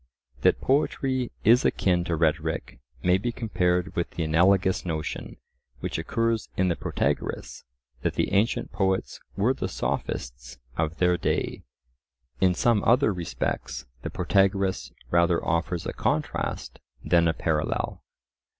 That poetry is akin to rhetoric may be compared with the analogous notion, which occurs in the Protagoras, that the ancient poets were the Sophists of their day. In some other respects the Protagoras rather offers a contrast than a parallel.